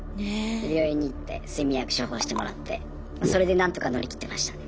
病院に行って睡眠薬処方してもらってそれで何とか乗り切ってました。